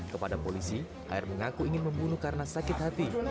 kepada polisi ar mengaku ingin membunuh karena sakit hati